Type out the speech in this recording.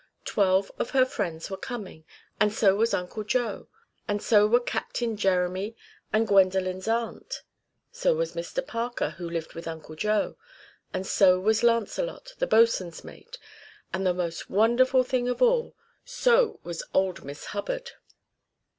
Twelve of her friends were coming, and so was Uncle Joe, and so were Captain Jeremy and Gwendolen's aunt. So was Mr Parker, who lived with Uncle Joe, and so was Lancelot, the bosun's mate; and the most wonderful thing of all, so was old Miss Hubbard.